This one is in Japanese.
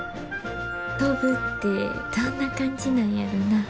飛ぶってどんな感じなんやろな。